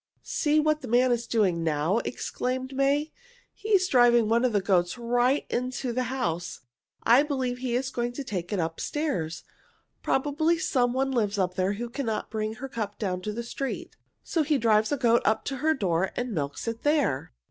"See what the man is doing now!" exclaimed May. "He is driving one of the goats right into the house. I believe he is going to take it up stairs. Probably some one lives up there who cannot bring her cup down to the street, so he drives a goat up to her door and milks it there."